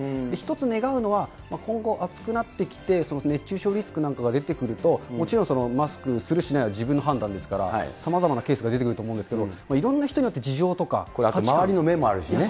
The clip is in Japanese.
１つ願うのは、今後、暑くなってきて、熱中症リスクなんかが出てくると、もちろんマスクするしないは自分の判断ですから、さまざまなケースが出てくると思うんですけれども、いろんな人によってこれ、周りの目もあるしね。